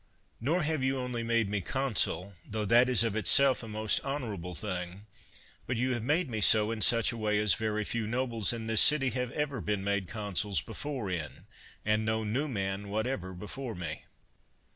Nor have you only made me consul, tho that is of itself a most honorable thing, but you have made me so in such a way as very few nobles in this city have ever been made consuls before in, 'and no new man whatever before me.